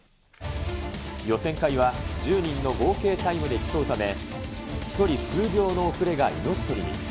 予選会は１０人の合計タイムで競うため、１人数秒の遅れが命取りに。